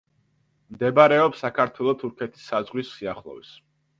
მდებარეობს საქართველო-თურქეთის საზღვრის სიახლოვეს.